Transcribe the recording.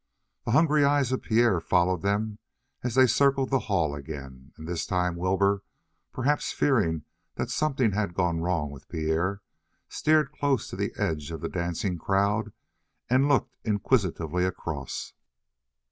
The hungry eyes of Pierre followed them as they circled the hall again; and this time Wilbur, perhaps fearing that something had gone wrong with Pierre, steered close to the edge of the dancing crowd and looked inquisitively across.